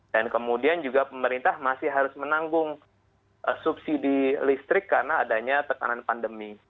dan kemudian juga pemerintah masih harus menanggung subsidi listrik karena adanya tekanan pandemi